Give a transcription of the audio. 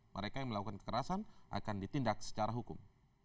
mereka yang melakukan kekerasan akan ditindak secara hukum